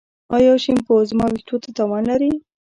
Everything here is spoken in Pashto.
ایا شیمپو زما ویښتو ته تاوان لري؟